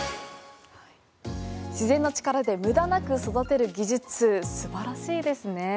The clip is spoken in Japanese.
自然の力で無駄なく育てる技術素晴らしいですね。